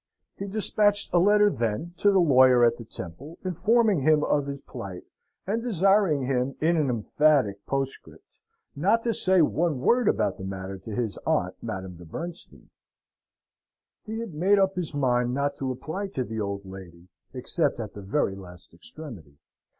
He despatched a letter then to the lawyer at the Temple, informing him of his plight, and desiring him, in an emphatic postscript, not to say one word about the matter to his aunt, Madame de Bernstein. He had made up his mind not to apply to the old lady except at the very last extremity.